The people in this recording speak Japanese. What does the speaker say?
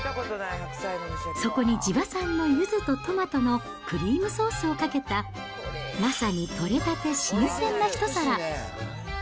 そこに地場産のゆずとトマトのクリームソースをかけた、まさに取れたて新鮮な一皿。